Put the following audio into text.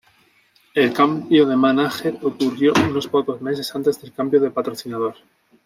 El cambio de manager ocurrió unos pocos meses antes del cambio de patrocinador.